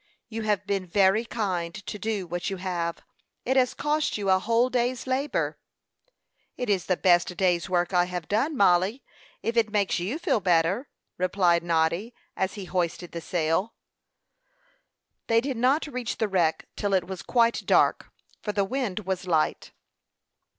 "You have been very kind to do what you have. It has cost you a whole day's labor." "It is the best day's work I have done, Mollie, if it makes you feel better," replied Noddy, as he hoisted the sail. They did not reach the wreck till it was quite dark, for the wind was light.